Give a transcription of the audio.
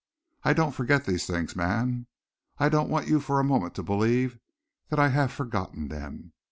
I don't forget these things, man. I don't want you for a moment to believe that I have forgotten them.